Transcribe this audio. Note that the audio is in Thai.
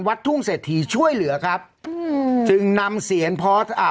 ทุ่งเศรษฐีช่วยเหลือครับอืมจึงนำเสียนพอสอ่า